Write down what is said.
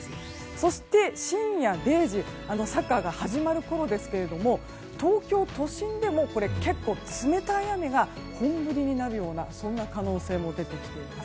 そして深夜０時サッカーが始まるころですが東京都心でも結構、冷たい雨が本降りになるそんな可能性も出てきています。